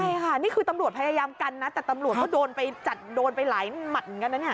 ใช่ค่ะนี่คือตำรวจพยายามกันน่ะแต่ตำรวจก็โดนไปหลายหมัดกันน่ะเนี่ย